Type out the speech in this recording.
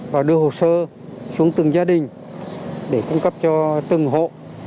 và đưa hồ sơ xuống từng gia đình để cung cấp cho từng hộ